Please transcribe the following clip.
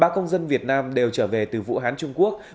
ba công dân việt nam đều trở về từ vũ hán trung quốc